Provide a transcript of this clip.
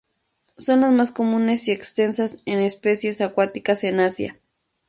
Son las más comunes y extendidas en especies acuáticas en Asia.